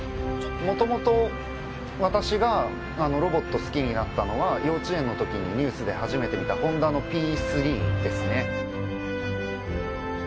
もともと私がロボット好きになったのは幼稚園のときにニュースで初めて見たＨＯＮＤＡのＰ３ですね。